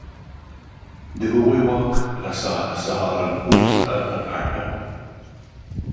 د هغوی واک له سهارنپور څخه تر اټک وو.